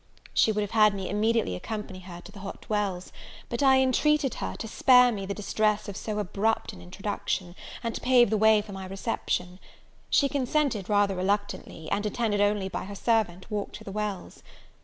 She would have had me immediately accompany her to the Hot Wells; but I entreated her to spare me the distress of so abrupt an introduction, and to pave the way for my reception. She consented rather reluctantly, and, attended only by her servant, walked to the Wells.